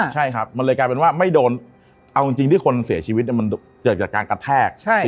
ใช่ครับมันเลยกลายเป็นว่าไม่โดนเอาจริงที่คนเสียชีวิตมันเกิดจากการกระแทก